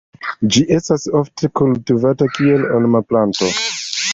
Ĝi estas foje kultivata kiel ornama planto.